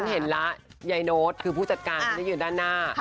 ฉันเห็นละยายโนซคือผู้จัดการที่อยู่ด้านหน้า